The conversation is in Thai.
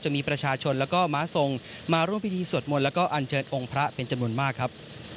มีประชาชนแล้วก็ม้าทรงมาร่วมพิธีสวดมนต์แล้วก็อันเชิญองค์พระเป็นจำนวนมากครับ